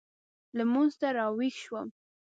لمونځ ته راوېښ شوم.